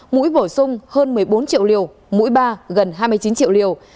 mũi bổ sung hơn một mươi bốn triệu liều mũi ba gần hai mươi chín triệu liều